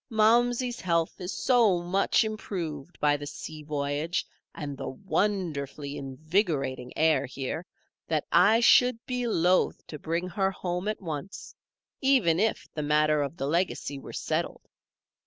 Momsey's health is so much improved by the sea voyage and the wonderfully invigorating air here, that I should be loath to bring her home at once, even if the matter of the legacy were settled.